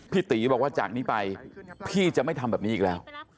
พี่ตีบอกว่าจากนี้ไปพี่จะไม่ทำแบบนี้อีกแล้ว